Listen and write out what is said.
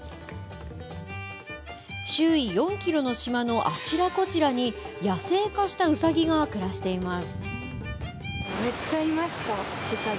周囲４キロの島のあちらこちらに野生化したうさぎが暮らしています。